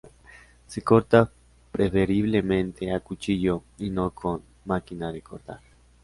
Se corta preferiblemente a cuchillo y no con máquina de cortar.